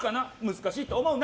難しいと思うな！